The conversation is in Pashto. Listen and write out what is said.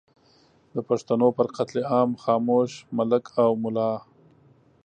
د پښتنو پر قتل عام خاموش ملک او ملا